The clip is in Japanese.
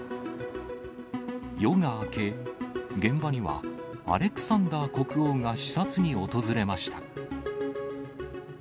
夜が明け、現場には、アレクサンダー国王が視察に訪れました。